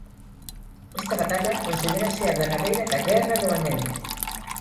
Esta batalla considérase a derradeira da Guerra do Anel.